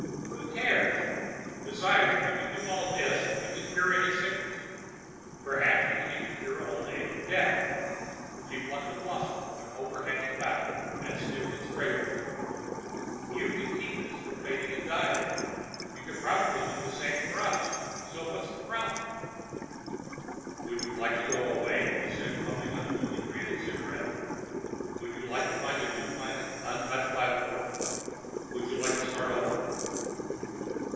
"Who cares? Besides, if you can do all this, you can cure any sickness. Perhaps you can even cure old age and death." She plucked a blossom from an over hanging bough and sniffed its fragrance. "You could keep this from fading and dying. You could probably do the same for us, so where's the problem?" "Would you like to go away?" he said, puffing on a newly created cigarette. "Would you like to find a new planet, untouched by war? Would you like to start over?"